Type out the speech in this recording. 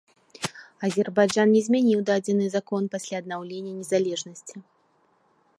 Азербайджан не змяніў дадзены закон пасля аднаўлення незалежнасці.